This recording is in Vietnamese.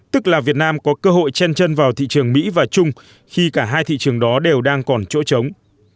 tức là việt nam có cơ hội chen chân vào thị trường mỹ và chung khi cả hai thị trường đó đều đang còn chỗ chống